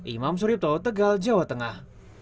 imam surito tegal jawa tengah